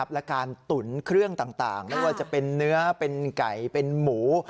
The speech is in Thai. และการตุ๋นเครื่องต่างไม่ว่าจะเป็นเนื้อเป็นไก่เป็นหมู